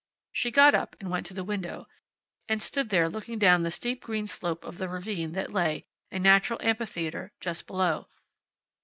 She got up and went to the window, and stood looking down the steep green slope of the ravine that lay, a natural amphitheater, just below.